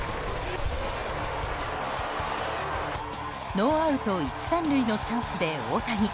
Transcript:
ノーアウト１、３塁のチャンスで大谷。